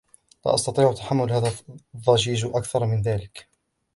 لا أستطيع تحمل هذا الضجيج أكثر من ذلك.